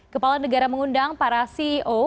kepala negara mengundang para ceo